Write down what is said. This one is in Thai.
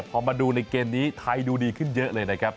พอมาดูในเกมนี้ไทยดูดีขึ้นเยอะเลยนะครับ